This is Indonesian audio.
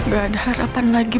gak ada harapan lagi